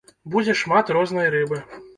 Будзе шмат рознай рыбы.